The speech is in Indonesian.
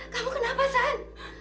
kamu kenapa san